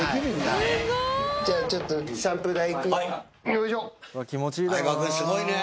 よいしょ。